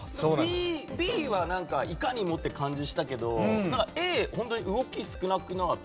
Ｂはいかにもっていう感じがしたけどＡは動き、少なくなかった？